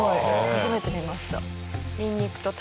初めて見ました。